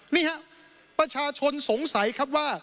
นี่ครับประชาชนสงสัยครับว่า